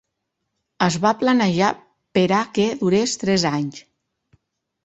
Es va planejar per a que durés tres anys.